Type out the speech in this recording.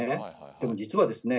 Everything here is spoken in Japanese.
でも実はですね